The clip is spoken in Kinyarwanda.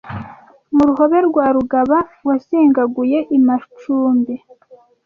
Ruhobe rwa Rugaba Wazingaguye i Macumbi